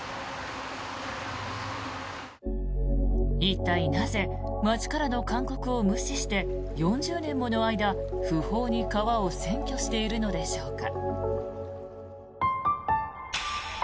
一体なぜ町からの勧告を無視して４０年もの間、不法に川を占拠しているのでしょうか。